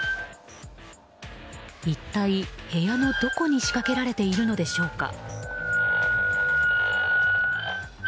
一体部屋のどこに仕掛けられているのでしょうか。